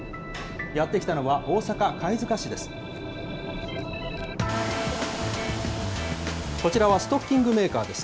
やって来たのは、大阪・貝塚市です。